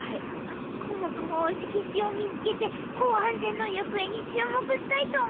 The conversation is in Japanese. コモクも推し棋士を見つけて後半戦の行方に注目したいと思います。